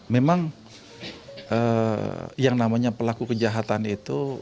memang yang namanya pelaku kejahatan itu